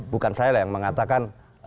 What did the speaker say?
bukan saya lah yang mengatakan